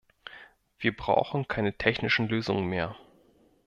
Wir brauchen keine technischen Lösungen mehr.